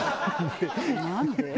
何で？